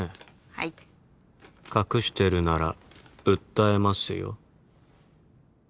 はい隠してるなら訴えますよ